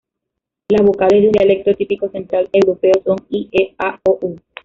Las vocales de un dialecto típico central europeo son "i, e, a, o, u".